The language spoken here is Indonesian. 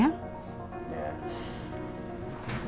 tarik nafas lagi